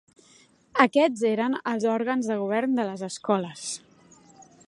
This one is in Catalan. Aquests eren els òrgans de govern de les escoles.